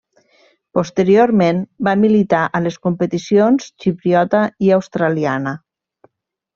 Posteriorment, va militar a les competicions xipriota i australiana.